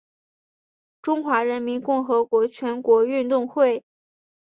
中华人民共和国全国运动会。